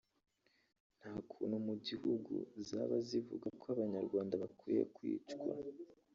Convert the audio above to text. nta kuntu mu gihugu zaba zivuga ko abanyarwanda bakwiye kwicwa